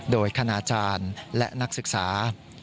โดยคณาจารย์และนักศึกษา